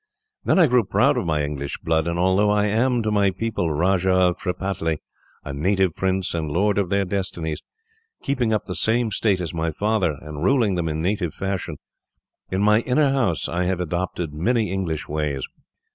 Then I grew proud of my English blood, and although I am, to my people, Rajah of Tripataly, a native prince and lord of their destinies, keeping up the same state as my father, and ruling them in native fashion, in my inner house I have adopted many English ways.